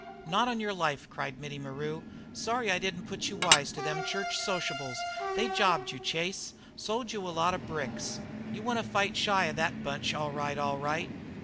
"Not on yer life!" cried Mittie Maru. "Sorry I didn't put you wise to them church sociables. They jobbed you, Chase. Sold you a lot of bricks. You want to fight shy of thet bunch, all right, all right."